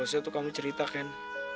harusnya tuh kamu cerita ken